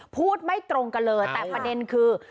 พูดไม่ตรงกันเลยแต่ประเด็นคือ